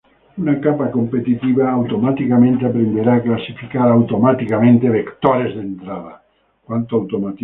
Una capa competitiva automáticamente aprenderá a clasificar automáticamente vectores de entrada.